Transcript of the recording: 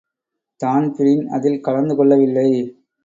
Dan Breen அதில் கலந்து கொள்ளவில்லை.